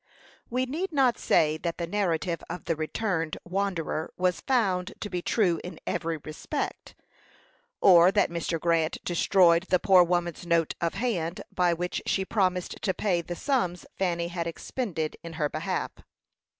We need not say that the narrative of the returned wanderer was found to be true in every respect, or that Mr. Grant destroyed the poor woman's note of hand, by which she promised to pay the sums Fanny had expended in her behalf.